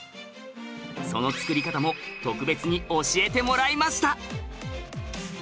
その作り方も特別に教えてもらいました。